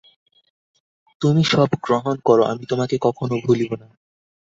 তুমি সব গ্রহণ কর, আমি তোমাকে কখনও ভুলিব না।